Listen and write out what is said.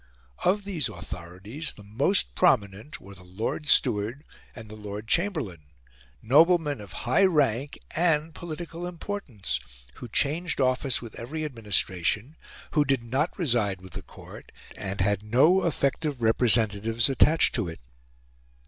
Of these authorities, the most prominent were the Lord Steward and the Lord Chamberlain noblemen of high rank and political importance, who changed office with every administration, who did not reside with the Court, and had no effective representatives attached to it.